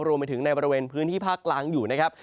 รวมไปถึงในบริเวณพื้นที่ภาคกลางอยู่นะครับ